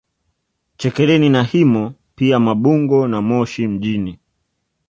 Chekereni na Himo pia Mabungo na Moshi mjini